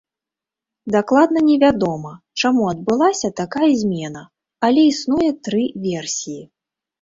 Дакладна невядома, чаму адбылася такая змена, але існуе тры версіі.